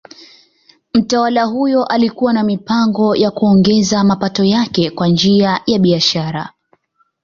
Mtawala huyo alikuwa na mipango ya kuongeza mapato yake kwa njia ya biashara.